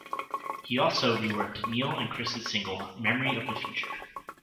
He also reworked Neil and Chris' single "Memory of the Future".